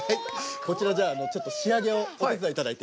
こちら、じゃあちょっと仕上げをお手伝いいただいて。